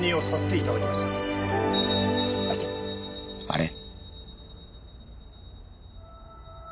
あれ？